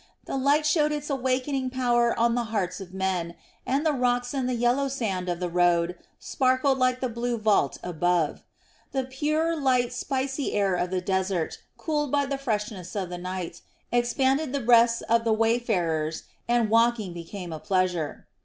The light showed its awakening power on the hearts of men, and the rocks and the yellow sand of the road sparkled like the blue vault above. The pure, light, spicy air of the desert, cooled by the freshness of the night, expanded the breasts of the wayfarers, and walking became a pleasure.